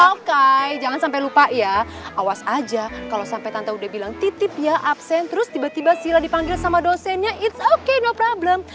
oke jangan sampai lupa ya awas aja kalau sampai tante udah bilang titip ya absen terus tiba tiba sila dipanggil sama dosennya ⁇ its ⁇ okay no problem